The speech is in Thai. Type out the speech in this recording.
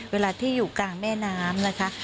เวลาที่อยู่กลางแม่น้ำนะคะ